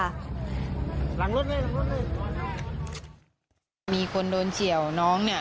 หลังรถไหมหลังรถเลยมีคนโดนเฉียวน้องเนี่ย